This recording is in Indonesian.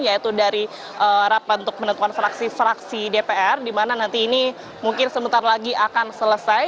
yaitu dari rapat untuk menentukan fraksi fraksi dpr di mana nanti ini mungkin sebentar lagi akan selesai